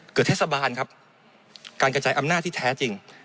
เทศบาลครับการกระจายอำนาจที่แท้จริง